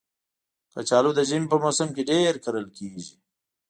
کچالو د ژمي په موسم کې ډېر کرل کېږي